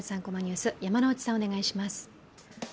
３コマニュース」、山内さん、お願いします。